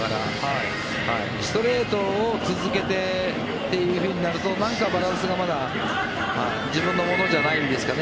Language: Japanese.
ストレートを続けてというふうになるとバランスがまだ自分のものじゃないんですかね。